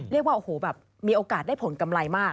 เรียกว่าโอ้โหแบบมีโอกาสได้ผลกำไรมาก